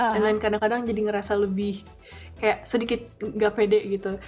dan kadang kadang jadi merasa lebih kayak sedikit nggak pede gitu